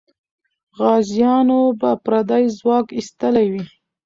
غازیانو به پردی ځواک ایستلی وي.